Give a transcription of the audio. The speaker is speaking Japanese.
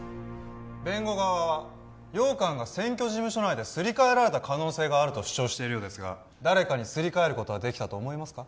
弁護側は羊羹が選挙事務所内ですり替えられた可能性があると主張しているようですが誰かにすり替えることはできたと思いますか？